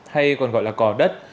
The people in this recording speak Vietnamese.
đây còn gọi là cỏ đất